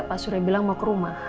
pak surya bilang mau ke rumah